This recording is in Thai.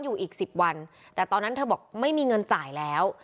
อยู่อีก๑๐วันแต่ตอนนั้นเธอบอกไม่มีเงินจ่ายแล้ว